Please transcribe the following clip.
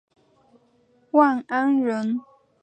万安人。